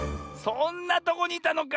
そんなとこにいたのか。